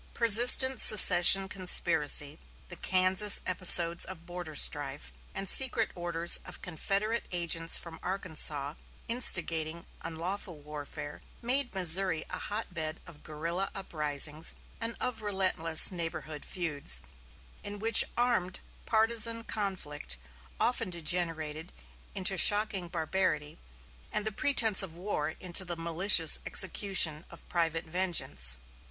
Persistent secession conspiracy, the Kansas episodes of border strife, and secret orders of Confederate agents from Arkansas instigating unlawful warfare, made Missouri a hotbed of guerrilla uprisings and of relentless neighborhood feuds, in which armed partizan conflict often degenerated into shocking barbarity, and the pretense of war into the malicious execution of private vengeance.